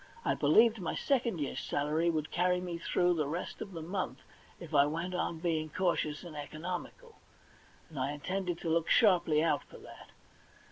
I believed my second year's salary would carry me through the rest of the month if I went on being cantious and economical, and I intended to look sharply out for that.